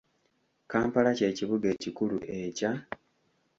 Kampala kye kibuga ekikulu ekya?